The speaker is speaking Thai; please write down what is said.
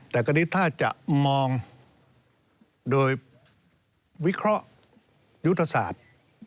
แต่คราวนี้ถ้าจะมองโดยวิเคราะห์ยุทธศาสตร์